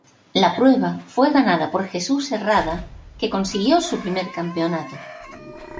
La prueba fue ganada por Jesús Herrada, que consiguió su primer campeonato.